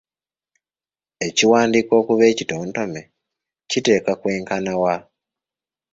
Ekiwandiiko okuba ekitontome kiteekwa kwenkana wa?